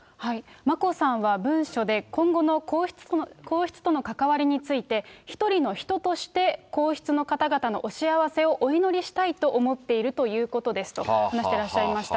眞子さんは文書で、今後の皇室との関わりについて、一人の人として皇室の方々のお幸せをお祈りしたいと思っているということですと話してらっしゃいました。